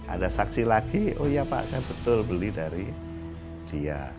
ada saksi lagi oh iya pak saya betul beli dari dia